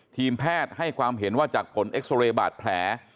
ทีมแพทย์ให้ความเห็นว่าจากผลเอ็กซอเรย์บาดแผล